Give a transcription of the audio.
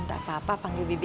semoga lah hilang saja bibi